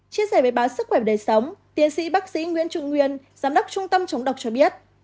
chia sẻ với báo sức khỏe và đầy sống tiến sĩ bác sĩ nguyễn trụng nguyên giám đốc trung tâm chống độc cho biết